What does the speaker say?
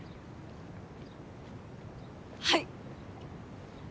はい！